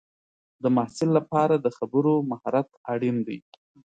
د محصل لپاره د خبرو مهارت اړین دی.